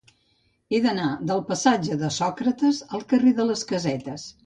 He d'anar del passatge de Sòcrates al carrer de les Casetes.